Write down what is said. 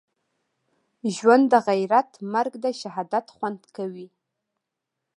ژوند دغیرت مرګ دښهادت خوند کوی